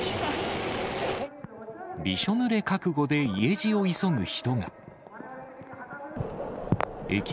びしょぬれ覚悟で家路を急ぐ人が。